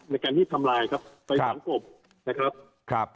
ในการที่ทำลายครับ